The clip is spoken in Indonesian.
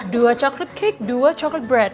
dua coklat cake dua coklat bread